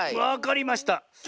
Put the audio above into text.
わかりました。